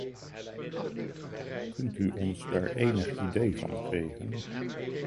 Kunt u ons daar enig idee van geven?